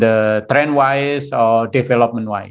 dalam tren atau dalam pengembangan